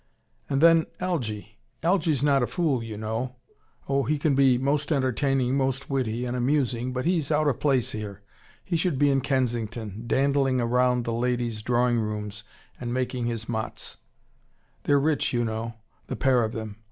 "And then Algy Algy's not a fool, you know. Oh, he can be most entertaining, most witty, and amusing. But he's out of place here. He should be in Kensington, dandling round the ladies' drawing rooms and making his mots. They're rich, you know, the pair of them.